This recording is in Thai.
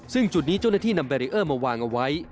ซึ่งจุดนี้เจ้าหน้าที่นำแบรีเออร์มาวางเอาไว้